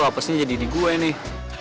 apa sih jadi di gue nih